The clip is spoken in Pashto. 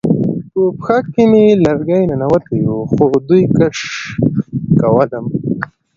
په پښه کې مې لرګی ننوتی و خو دوی کش کولم